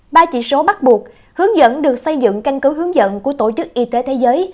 ba chỉ số bắt buộc hướng dẫn được xây dựng căn cứ hướng dẫn của tổ chức y tế thế giới